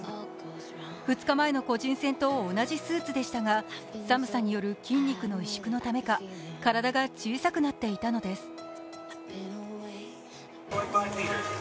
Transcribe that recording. ２日前の個人戦と同じスーツでしたが寒さによる筋肉の萎縮のためか体が小さくなっていたのです。